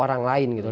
orang lain gitu